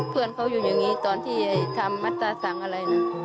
เพื่อนเขาอยู่อย่างนี้ตอนที่ทำมัตราสั่งอะไรนะ